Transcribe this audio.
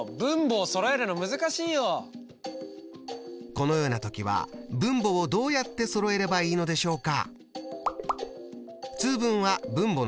このような時は分母をどうやってそろえればいいのでしょうか？